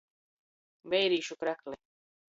Veirīšu krakli.